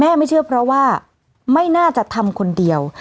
ไม่เชื่อเพราะว่าไม่น่าจะทำคนเดียว